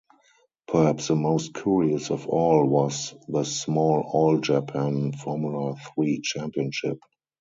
Perhaps the most curious of all was the small All-Japan Formula Three Championship.